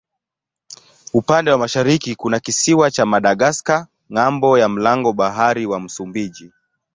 Upande wa mashariki kuna kisiwa cha Madagaska ng'ambo ya mlango bahari wa Msumbiji.